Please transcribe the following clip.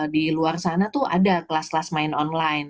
di luar sana tuh ada kelas kelas main online